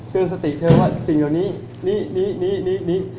สติเธอว่าสิ่งเหล่านี้นี้